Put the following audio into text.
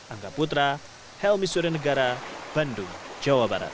angga putra helmi suryanegara bandung jawa barat